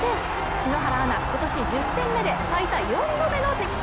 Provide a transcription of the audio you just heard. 篠原アナ、今年１０戦目で最多４度の的中。